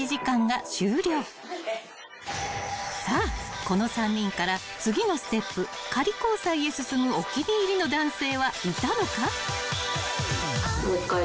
［さあこの３人から次のステップ仮交際へ進むお気に入りの男性はいたのか？］